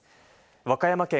和歌山県